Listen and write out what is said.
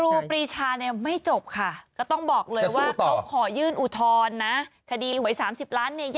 โอ้ยพี่มันจะไปจบตอนไหนอยากจะรู้มากเลย